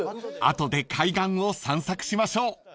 ［後で海岸を散策しましょう］